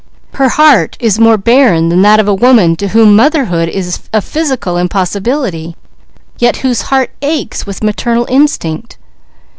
Her heart is more barren than that of a woman to whom motherhood is physical impossibility, yet whose heart aches with maternal instinct!"